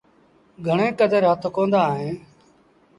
گھڻي ڪدر هٿ ڪوندآ ّئيٚن۔